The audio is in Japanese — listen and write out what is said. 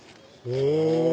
お！